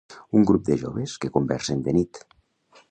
Un grup de joves que conversen de nit.